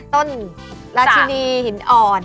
ต้นราชินีหินอ่อน